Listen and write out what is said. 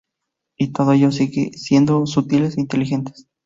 Y todo ello siendo sutiles e inteligentes.